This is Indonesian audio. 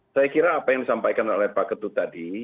saya kira apa yang disampaikan oleh pak ketut tadi